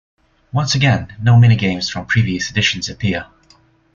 Once again, no minigames from previous editions appear.